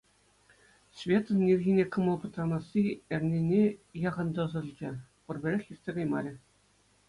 Светӑн ирхине кӑмӑл пӑтранасси эрнене яхӑн тӑсӑлчӗ, пурпӗрех иртсе каймарӗ.